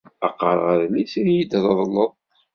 Ad qqareɣ adlis i d-iyi-treḍleḍ.